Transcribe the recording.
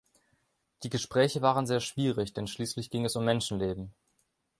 Die Gespräche waren sehr schwierig, denn schließlich ging es um Menschenleben.